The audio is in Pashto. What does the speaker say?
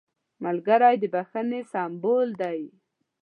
ملګری د بښنې سمبول دی